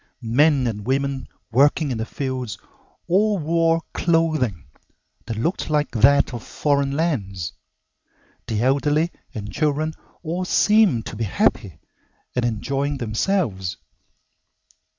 Men and women working in the fields all wore clothing that looked like that of foreign lands. The elderly and children all seemed to be happy and enjoying themselves.